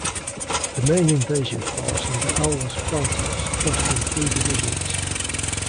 The main invasion force under Aulus Plautius crossed in three divisions.